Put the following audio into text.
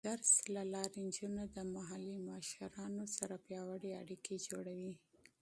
د تعلیم له لارې، نجونې د محلي مشرانو سره پیاوړې اړیکې جوړوي.